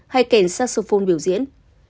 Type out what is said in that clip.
hay kèn saxophone biểu diễn